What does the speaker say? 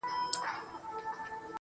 o بيا خپه يم مرور دي اموخته کړم.